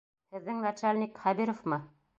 Һеҙҙең начальник Хәбировмы?